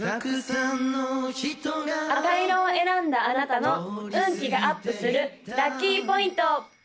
赤色を選んだあなたの運気がアップするラッキーポイント！